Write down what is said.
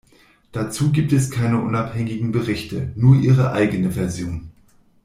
Dazu gibt es keine unabhängigen Berichte, nur ihre eigene Version.